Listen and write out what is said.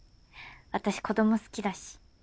私子ども好きだし。